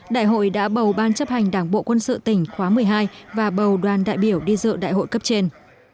đại hội đã bầu ban chấp hành đảng bộ quân sự tỉnh khóa một mươi hai và bầu đoàn đại biểu đi dự đại hội cấp trên